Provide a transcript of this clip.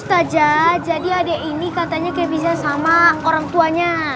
ustazah jadi adek ini katanya kayak bisa sama orang tuanya